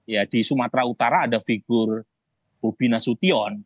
ya di sumatera utara ada figur bobi nasution